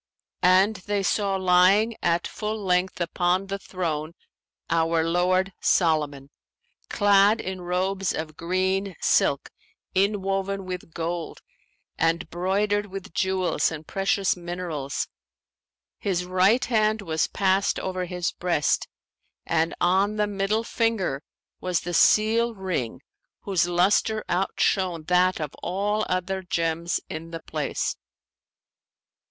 And they saw lying at full length upon the throne our lord Solomon, clad in robes of green silk inwoven with gold and broidered with jewels and precious minerals: his right hand was passed over his breast and on the middle finger was the seal ring whose lustre outshone that of all other gems in the place.